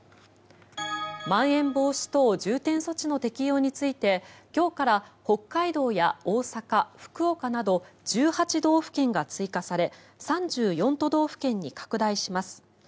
まん延防止等重点措置の適用について今日から北海道や大阪、福岡など１８道府県が追加され３４都道府県に拡大します。